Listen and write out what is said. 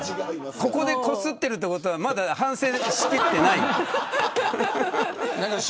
ここで、こすってるってことはまだ反省しきってないです